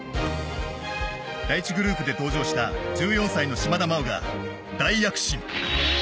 第１グループで登場した１４歳の島田麻央が大躍進。